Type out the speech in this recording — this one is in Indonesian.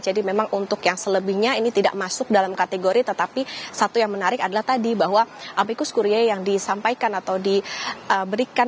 jadi memang untuk yang selebihnya ini tidak masuk dalam kategori tetapi satu yang menarik adalah tadi bahwa amikus kurie yang disampaikan atau diberikan